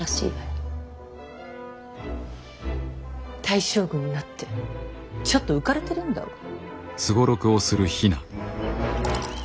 大将軍になってちょっと浮かれてるんだわ。